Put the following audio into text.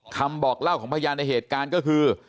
คำบอกเล่าของพยานในเหตุการณ์ก็คือ